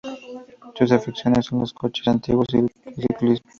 Sus aficiones son los coches antiguos y el ciclismo.